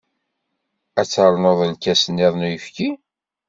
Ad ternuḍ lkas niḍen n uyefki?